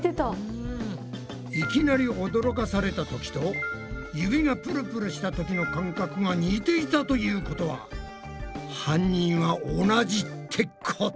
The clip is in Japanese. いきなり驚かされたときと指がプルプルしたときの感覚が似ていたということは犯人は同じってこと？